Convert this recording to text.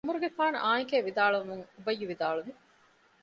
ޢުމަރުގެފާނު އާނއެކޭ ވިދާޅުވުމުން އުބައްޔު ވިދާޅުވި